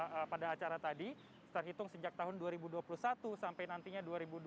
pada acara tadi terhitung sejak tahun dua ribu dua puluh satu sampai nantinya dua ribu dua puluh